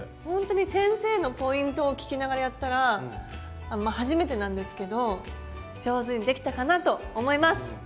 ほんとに先生のポイントを聞きながらやったら初めてなんですけど上手にできたかなと思います。